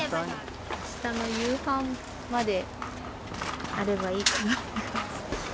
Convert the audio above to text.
あしたの夕飯まであればいいかなって感じ。